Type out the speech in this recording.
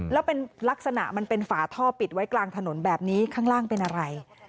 แล้วเป็นลักษณะมันเป็นฝาท่อปิดไว้กลางถนนแบบนี้ข้างล่างเป็นอะไร